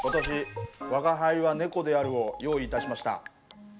私「吾輩は猫である」を用意いたしました。